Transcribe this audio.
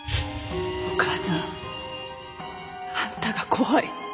お母さんあんたが怖い。